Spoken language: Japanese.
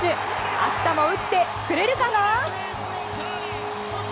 明日も打ってくれるかな？